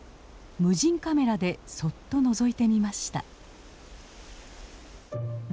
無人カメラでそっとのぞいてみました。